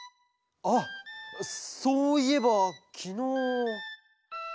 あっそういえばきのう。